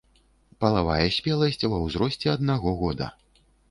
Палавая спеласць ва ўзросце аднаго года.